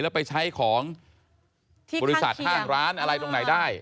แล้วไปใช้ของบริษัทห้างร้านอะไรตรงไหนได้